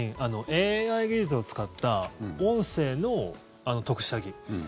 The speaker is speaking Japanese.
ＡＩ技術を使った音声の特殊詐欺。